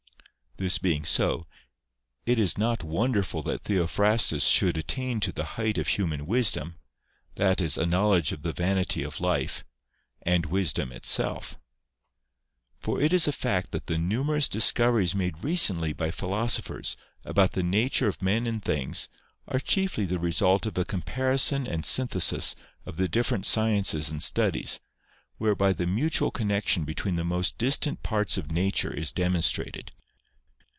This being so, it is not wonderful that Theophrastus should attain to the height of human wisdom, — that is, a know ledge of the vanity of life, and wisdom itself. For it is a fact that the numerous discoveries made recently by philosophers about the nature of men and things, are chiefly the result of a comparison and synthesis of the different sciences and studies, whereby the mutual con nection between the most distant parts of nature is demonstrated.